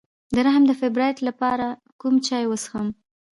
د رحم د فایبرویډ لپاره کوم چای وڅښم؟